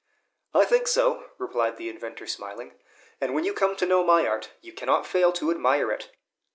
"I think so," replied the inventor, smiling; "and when you come to know my art, you cannot fail to admire it."